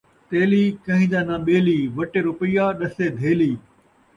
تیلی کئیں دا ناں ٻیلی، وٹے روپیہ ݙسے دھیلی